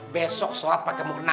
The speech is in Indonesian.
besok sholat pake mukna